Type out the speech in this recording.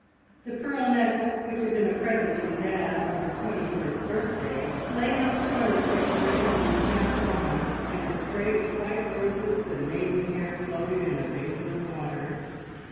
The pearl necklace, which had been a present from dad on her twenty first birthday, lay on the toilet table ready to be snapped on, and a spray of white roses and maiden hair floated in a basin of water.